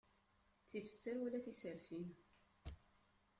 Ttif sser wala tiserfin.